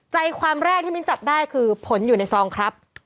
ใจความแรกที่มิ้นจับได้คือผลอยู่ในซองครับ